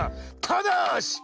ただし！